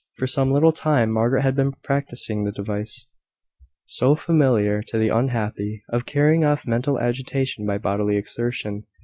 For some little time Margaret had been practising the device, so familiar to the unhappy, of carrying off mental agitation by bodily exertion.